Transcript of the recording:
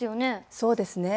そうですね。